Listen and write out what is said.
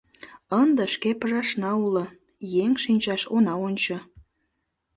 — Ынде шке пыжашна уло, еҥ шинчаш она ончо.